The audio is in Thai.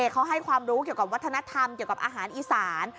เขาให้ความรู้เกี่ยวกับวัฒนธรรมเกี่ยวกับอาหารอีสาน